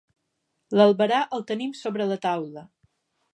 L'albarà el tenim sobre la taula.